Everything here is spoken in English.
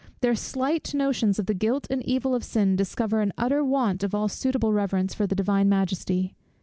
Their slight notions of the guilt and evil of sin discover an utter want of all suitable reverence for the Divine Majesty.